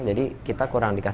jadi kita kurang dikasih